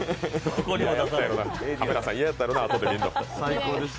カメラさん、嫌やったろうなあとで見るの。